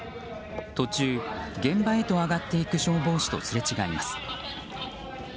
途中、現場へと上がっていく消防士とすれ違います。